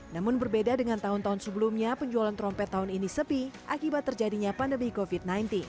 namun berbeda dengan tahun tahun sebelumnya penjualan trompet tahun ini sepi akibat terjadinya pandemi covid sembilan belas